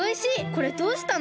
これどうしたの？